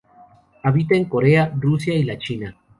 Habita en Corea, Rusia y la China.